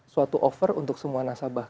suatu over untuk semua nasabah